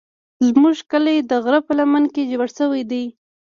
زموږ کلی د غره په لمنه کې جوړ شوی دی.